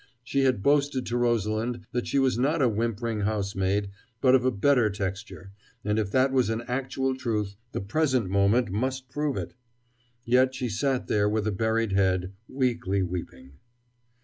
She had boasted to Rosalind that she was not a whimpering housemaid, but of a better texture: and if that was an actual truth, the present moment must prove it. Yet she sat there with a buried head, weakly weeping....